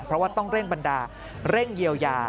เพราะว่าต้องเร่งบรรดาเร่งเยียวยา